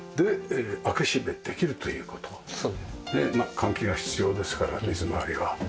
換気が必要ですから水回りは。